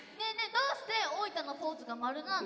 どうして大分のポーズがまるなの？